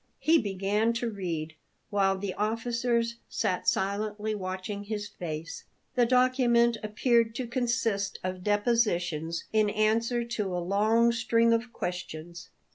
He began to read, while the officers sat silently watching his face. The document appeared to consist of depositions in answer to a long string of questions.